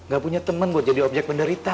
gak punya temen buat jadi objek penderita